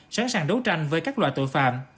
sẵn sàng đấu tranh với các loại tội phạm